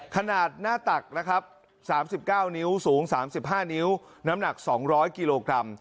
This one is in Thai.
ขนาดหน้าตักนะครับ๓๙นิ้วสูง๓๕นิ้วน้ำหนัก๒๐๐กิโลกรัม